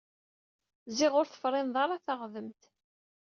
Ziɣ ur tefrineḍ ara taɣdemt.